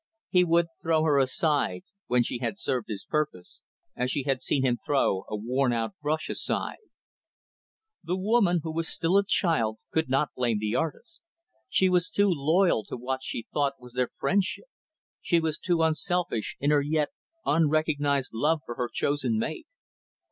He would throw her aside, when she had served his purpose, as she had seen him throw a worn out brush aside. The woman who was still a child could not blame the artist she was too loyal to what she had thought was their friendship; she was too unselfish in her yet unrecognized love for her chosen mate.